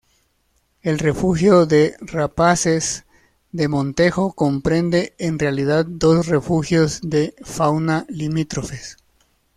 El Refugio de Rapaces de Montejo comprende en realidad dos Refugios de Fauna limítrofes.